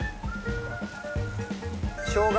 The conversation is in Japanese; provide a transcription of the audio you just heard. しょうが。